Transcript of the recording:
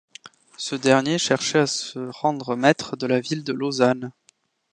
Ce dernier cherchait à se rendre maître de la ville de Lausanne.